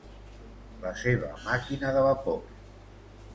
La seva màquina de vapor.